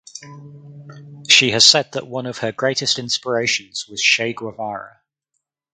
She has said that one of her greatest inspirations was Che Guevara.